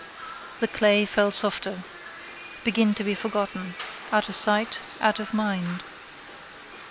The clay fell softer. Begin to be forgotten. Out of sight, out of mind.